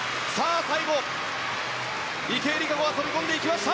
最後、池江璃花子が飛び込んでいきました。